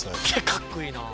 かっこいいな。